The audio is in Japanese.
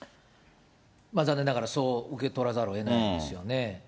残念ながら、そう受け取らざるをえないですよね。